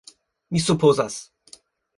Mi supozas.